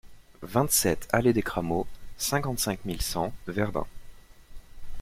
vingt-sept allée des Cramaux, cinquante-cinq mille cent Verdun